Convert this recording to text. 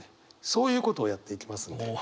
そういうことをやっていきますんで。